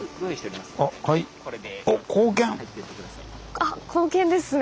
あっ硬券ですね！